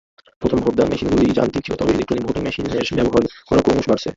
প্রথম ভোটদান মেশিনগুলি যান্ত্রিক ছিল তবে ইলেক্ট্রনিক ভোটিং মেশিনের ব্যবহার করা ক্রমশ বাড়ছে।